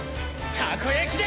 たこやきで！